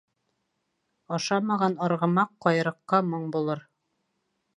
Ашамаған арғымаҡ ҡайыраҡҡа моң булыр.